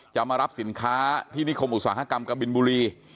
จะมารับสินค้าที่นิคมอุตสาหกรรมกบินบุรี